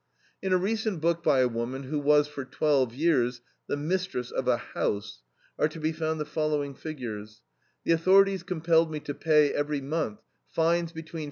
In a recent book by a woman who was for twelve years the mistress of a "house," are to be found the following figures: "The authorities compelled me to pay every month fines between $14.